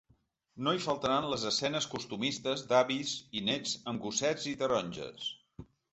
No hi faltaran les escenes costumistes d’avis i néts amb gossets i taronges.